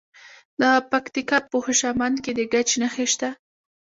د پکتیکا په خوشامند کې د ګچ نښې شته.